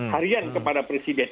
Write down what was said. harian kepada presiden